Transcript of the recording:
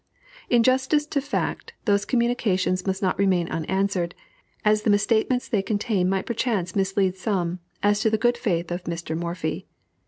In justice to fact, those communications must not remain unanswered, as the misstatements they contain might perchance mislead some as to the good faith of Mr. Morphy.